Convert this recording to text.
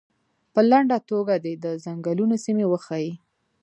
په لنډه توګه دې د څنګلونو سیمې وښیي.